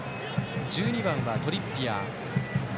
１２番はトリッピアー。